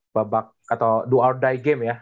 babak atau do or die game ya